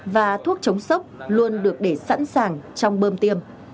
và thuốc chống sốc luôn được để sẵn sàng trong bơm tiêm